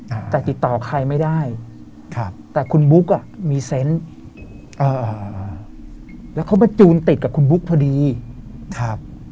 อ่าแต่ติดต่อใครไม่ได้ครับแต่คุณบุ๊กอ่ะมีเซนต์อ่าแล้วเขามาจูนติดกับคุณบุ๊กพอดีครับ